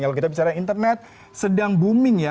kalau kita bicara internet sedang booming ya